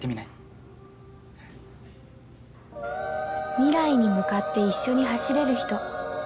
未来に向かって一緒に走れる人